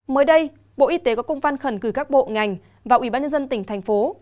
mới đây bộ y tế có công văn khẩn gửi các bộ ngành và ủy ban nhân dân tỉnh thành phố